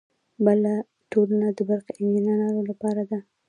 بله ټولنه د برقي انجینرانو لپاره ده.